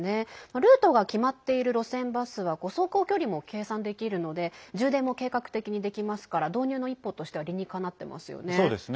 ルートが決まっている路線バスは走行距離も計算できるので充電も計画的にできますから導入の一歩としては理にかなってますよね。